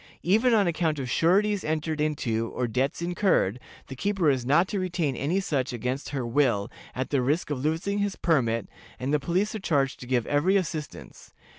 Even on account of sureties entered into or debts incurred, the keeper is not to retain any such against her will, at the risk of losing his permit, and the police are charged to give every assistance.